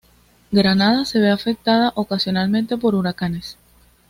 Granada se ve afectada ocasionalmente por huracanes.